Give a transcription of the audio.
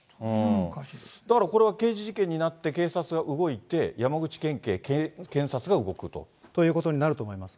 だからこれは、刑事事件になって、警察が動いて、山口県警、ということになると思います。